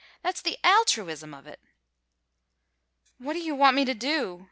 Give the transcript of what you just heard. That's the altruism of it!" "What do you want me to do?"